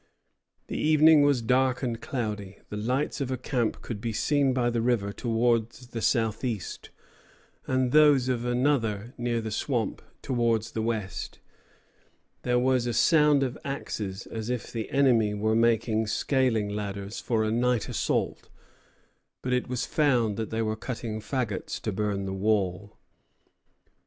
The evening was dark and cloudy. The lights of a camp could be seen by the river towards the southeast, and those of another near the swamp towards the west. There was a sound of axes, as if the enemy were making scaling ladders for a night assault; but it was found that they were cutting fagots to burn the wall.